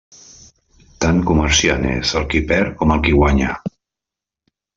Tan comerciant és el qui perd com el qui guanya.